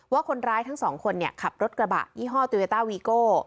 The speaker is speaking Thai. ว่าคนร้ายทั้งสองคนขับรถกระบะยี่ห้อโตโยต้าวีโก้